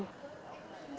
xã biên giới p i